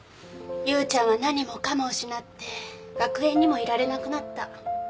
ユウちゃんは何もかも失って学園にもいられなくなった。